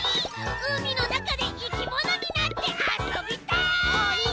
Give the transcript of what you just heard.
うみのなかでいきものになってあそびたい！